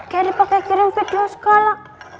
kayak dipake kirim video segala